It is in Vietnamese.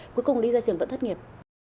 cuối cùng đi ra trường vẫn thất nghiệp